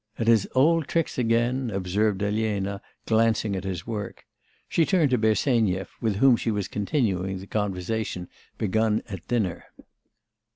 'At his old tricks again,' observed Elena, glancing at his work. She turned to Bersenyev, with whom she was continuing the conversation begun at dinner.